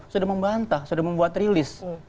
sudah membantah sudah membuat rilis